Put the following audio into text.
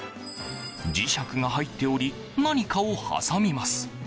磁石が入っており何かを挟みます。